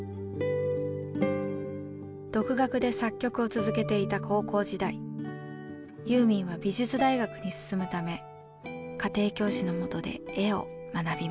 独学で作曲を続けていた高校時代ユーミンは美術大学に進むため家庭教師のもとで絵を学びます。